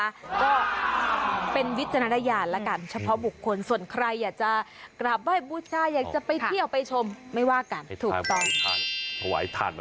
ก็เป็นวิจารณญาณแล้วกันเฉพาะบุคคลส่วนใครอยากจะกราบไหว้บูชาอยากจะไปเที่ยวไปชมไม่ว่ากันถูกต้อง